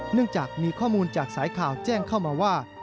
เนื่องจากมีข้อมูลจากสายข่าวแจ้งเข้ามาว่า